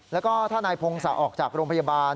แล้วก็ถ้านายพงศักดิ์ออกจากโรงพยาบาล